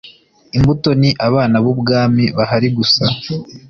imbuto ni abana b ubwami bahari gusa